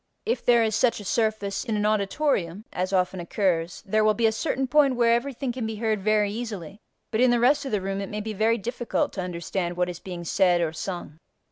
If there is such a surface in an auditorium (as often occurs) there will be a certain point where everything can be heard very easily, but in the rest of the room it may be very difficult to understand what is being said or sung.